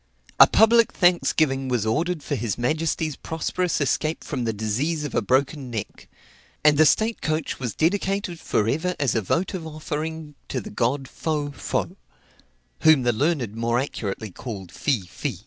A public thanksgiving was ordered for his majesty's prosperous escape from the disease of a broken neck; and the state coach was dedicated for ever as a votive offering to the god Fo, Fo whom the learned more accurately called Fi, Fi.